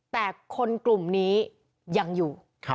แต่คนกลุ่มนี้ยังอยู่